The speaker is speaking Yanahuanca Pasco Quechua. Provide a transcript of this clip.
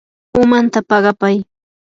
umanta paqapay.